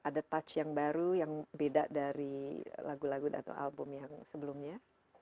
ada touch yang baru yang beda dari lagu lagu atau album yang sebelumnya